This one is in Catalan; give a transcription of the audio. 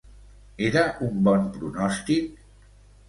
Era un bon pronòstic?